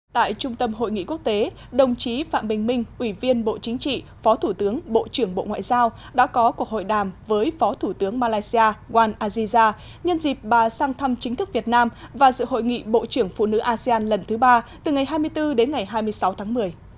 tại trung tâm hội nghị quốc tế đồng chí phạm bình minh ủy viên bộ chính trị phó thủ tướng bộ trưởng bộ ngoại giao đã có cuộc hội đàm với phó thủ tướng malaysia wan aziza nhân dịp bà sang thăm chính thức việt nam và sự hội nghị bộ trưởng phụ nữ asean lần thứ ba từ ngày hai mươi bốn đến ngày hai mươi sáu tháng một mươi